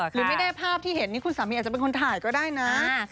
หรือไม่ได้ภาพที่เห็นนี่คุณสามีอาจจะเป็นคนถ่ายก็ได้นะ